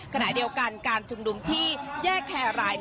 ขณะเดียวกันการชุมนุมที่แยกแครราย